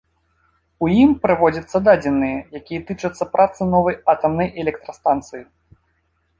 У ім прыводзяцца дадзеныя, якія тычацца працы новай атамнай электрастанцыі.